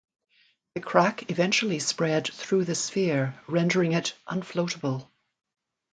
The crack eventually spread through the sphere, rendering it unfloatable.